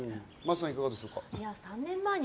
真麻さん、いかがでしょうか？